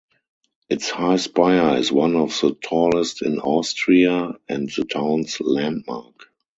Its high spire is one of the tallest in Austria and the town's landmark.